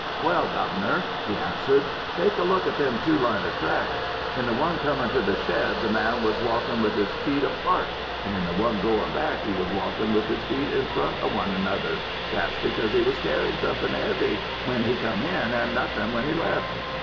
"'Well, Governor,' he answered, 'take a look at them two line of tracks. In the one comin' to the shed the man was walkin' with his feet apart and in the one goin' back he was walkin' with his feet in front of one another; that's because he was carryin' somethin' heavy when he come an' nothin' when he left.'